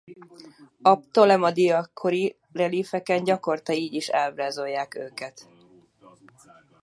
A ptolemaida kori reliefeken gyakorta így is ábrázolják őket.